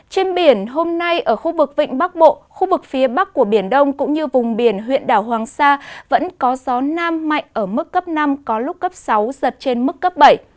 trên biển hôm nay ở khu vực vịnh bắc bộ khu vực phía bắc của biển đông cũng như vùng biển huyện đảo hoàng sa vẫn có gió nam mạnh ở mức cấp năm có lúc cấp sáu giật trên mức cấp bảy